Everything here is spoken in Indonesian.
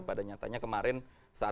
pada nyatanya kemarin satu